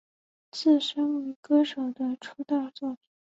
自身为歌手的出道作品。